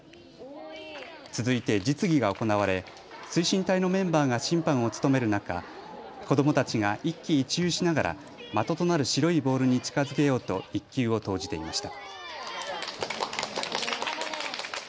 続いて実技が行われ推進隊のメンバーが審判を務める中、子どもたちが一喜一憂しながら的となる白いボールに近づけようと１球を投じていました。